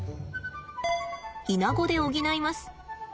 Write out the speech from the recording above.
イナゴで補います。